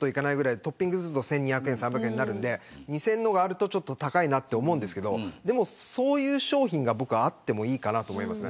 トッピング乗せると１２００、１３００円ぐらいになるんで２０００円のがあるとちょっと高いと思うんですけどそういう商品があってもいいかなと思いますね。